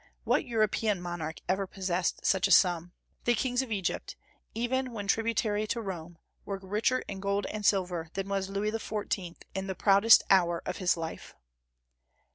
What European monarch ever possessed such a sum? The kings of Egypt, even when tributary to Rome, were richer in gold and silver than was Louis XIV. in the proudest hour of his life.